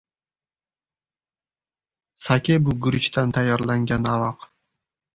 Sake bu guruchdan tayyorlangan aroq.